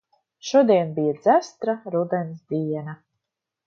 Šodien bija dzestra rudens diena.